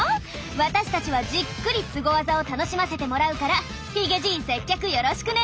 私たちはじっくりスゴワザを楽しませてもらうからヒゲじい接客よろしくね。